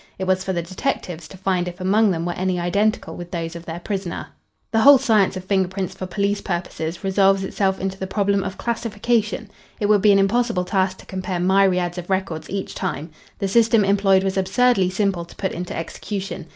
It was for the detectives to find if among them were any identical with those of their prisoner. The whole science of finger prints for police purposes resolves itself into the problem of classification. It would be an impossible task to compare myriads of records each time. The system employed was absurdly simple to put into execution.